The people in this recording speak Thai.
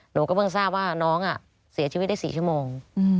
หนูก็เพิ่งทราบว่าน้องเสียชีวิตได้๔ชั่วโมง